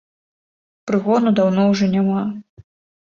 Прыгону даўно ўжо няма.